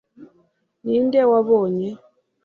ninde wabonye